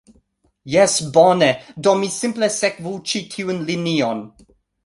Jes, bone. Do mi simple sekvu ĉi tiun linion